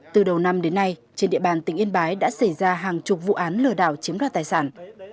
từ đầu năm đến nay trên địa bàn tỉnh yên bái đã xảy ra hàng chục vụ án lừa đảo chiếm đoạt tài sản